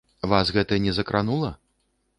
Вас гэта не закранула?